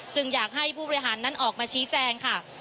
อยากให้ผู้บริหารนั้นออกมาชี้แจงค่ะ